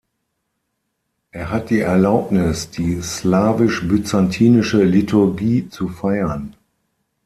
Er hat die Erlaubnis, die slawisch-byzantinische Liturgie zu feiern.